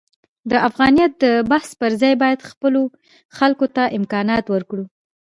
د افغانیت د بحث پرځای باید خپلو خلکو ته امکانات ورکړو.